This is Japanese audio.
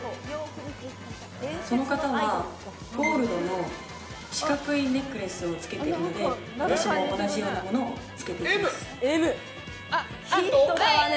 その方はゴールドの四角いネックレスをつけているので私も同じようなものをはい！